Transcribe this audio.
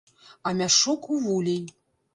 А мяшок у вулей!